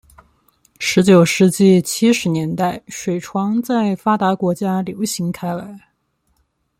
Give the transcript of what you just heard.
十九世纪七十年代水床在发达国家流行开来。